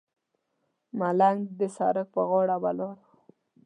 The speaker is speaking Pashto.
ملنګ د سړک پر غاړه ولاړ و.